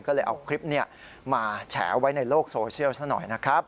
ก็เลยเอาคลิปนี้มาแฉไว้ในโลกโซเชียลซะหน่อยนะครับ